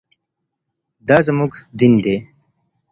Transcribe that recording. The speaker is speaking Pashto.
دا زموږ دین دی.